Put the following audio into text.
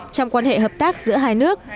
trong quan hệ hợp tác giữa hai nước